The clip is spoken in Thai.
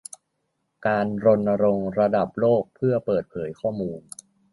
การรณรงค์ระดับโลกเพื่อเปิดเผยข้อมูล